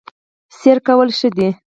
سیر کول ښه دي